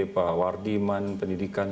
pak wardiman pendidikan